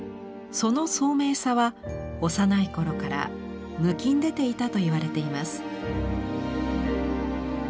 その聡明さは幼い頃からぬきんでていたといわれています。